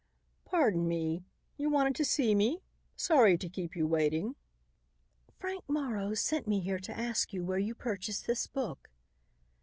"Pardon me; you wanted to see me? Sorry to keep you waiting." "Frank Morrow sent me here to ask you where you purchased this book."